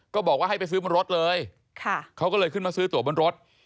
ก็บอกว่าให้ไปซื้อบนรถเลยเขาก็เลยขึ้นมาซื้อตัวบนรถ